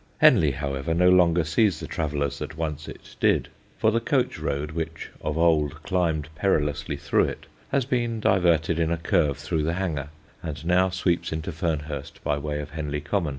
Henley, however, no longer sees the travellers that once it did, for the coach road, which of old climbed perilously through it, has been diverted in a curve through the hanger, and now sweeps into Fernhurst by way of Henley Common.